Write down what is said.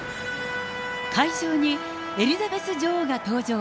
会場にエリザベス女王が登場。